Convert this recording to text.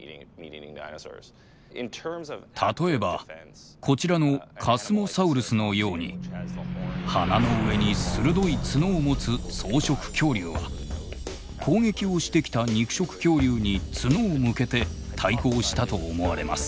例えばこちらのカスモサウルスのように鼻の上に鋭い角を持つ草食恐竜は攻撃をしてきた肉食恐竜に角を向けて対抗したと思われます。